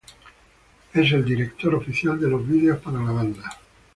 Él es el director oficial de los videos para la banda.